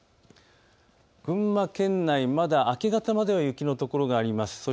群馬県内、まだ明け方までは雪の所があります。